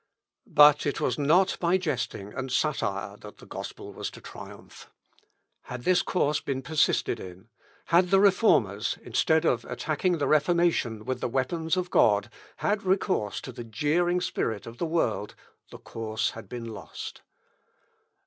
But it was not by jesting and satire that the gospel was to triumph. Had this course been persisted in; had the Reformers, instead of attacking the Reformation with the weapons of God, had recourse to the jeering spirit of the world, the cause had been lost.